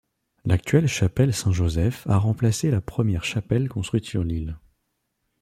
L'actuelle chapelle Saint-Joseph a remplacé la première chapelle construite sur l'île.